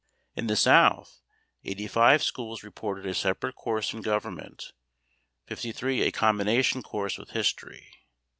In the South 85 schools reported a separate course in Government, 53 a combination course with History.